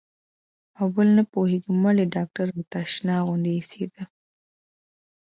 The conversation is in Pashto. او بل نه پوهېږم ولې ډاکتر راته اشنا غوندې اېسېده.